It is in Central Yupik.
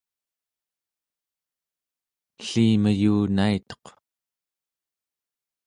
ellimeyunaituq